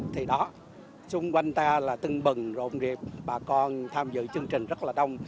thì đó xung quanh ta là tưng bừng rộn rịp bà con tham dự chương trình rất là đông